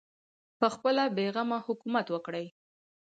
پخپله بې غمه حکومت وکړي